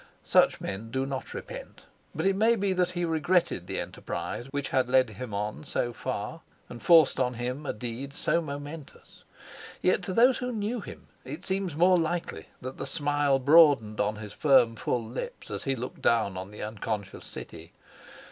Such men do not repent; but it may be that he regretted the enterprise which had led him on so far and forced on him a deed so momentous; yet to those who knew him it seems more likely that the smile broadened on his firm full lips as he looked down on the unconscious city.